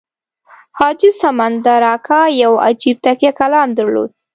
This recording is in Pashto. حاجي سمندر اکا یو عجیب تکیه کلام درلود.